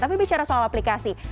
tapi bicara soal aplikasi